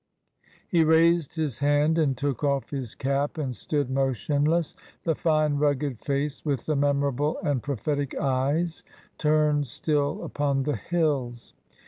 He raised his hand and took off his cap and stood motionless, the fine rugged face with the memorable and prophetic eyes turned still upon the hills.